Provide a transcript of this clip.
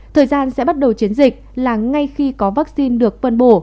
thời gian sẽ bắt đầu chiến dịch là ngay khi có vaccine được phân bổ